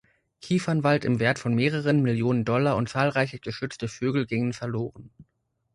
Kiefernwald im Wert von mehreren Millionen Dollar und zahlreiche geschützte Vögel gingen verloren.